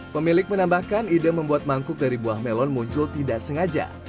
pemilik menambahkan ide membuat mangkuk dari buah melon muncul tidak sengaja